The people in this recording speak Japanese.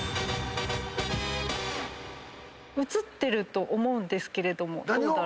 映ってると思うんですけれどもどうだろう。